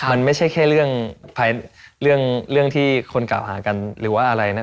มันไม่ใช่แค่เรื่องภายเรื่องที่คนกล่าวหากันหรือว่าอะไรนะ